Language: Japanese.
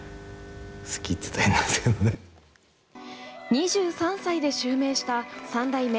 ２３歳で襲名した三代目